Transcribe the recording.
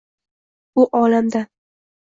Bu olamdan